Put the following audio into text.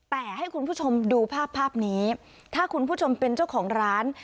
แต่ให้คุณผู้ชมดูภาพภาพนี้ถ้าคุณผู้ชมเป็นเจ้าของร้าน